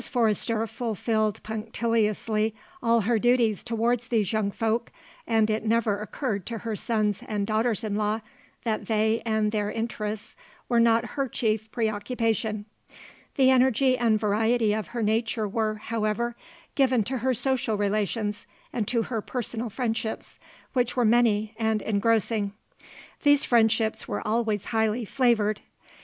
Forrester fulfilled punctiliously all her duties towards these young folk, and it never occurred to her sons and daughters in law that they and their interests were not her chief preoccupation. The energy and variety of her nature were, however, given, to her social relations and to her personal friendships, which were many and engrossing. These friendships were always highly flavoured.